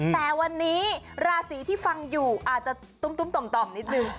แต่วันนี้ราศีที่ฟังอยู่อาจจะตุ้มต่อมนิดนึง